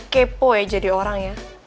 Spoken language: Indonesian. kepo ya jadi orang ya